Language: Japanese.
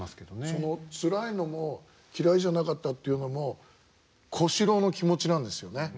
そのつらいのも嫌いじゃなかったというのも小四郎の気持ちなんですよね。